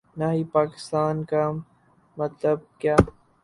نا ہی پاکستان کا مطلب کیا